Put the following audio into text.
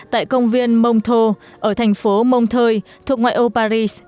tại công viên montreux ở thành phố montreux thuộc ngoại ô paris